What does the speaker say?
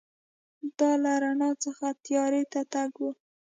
دا له رڼا څخه تیارې ته تګ و.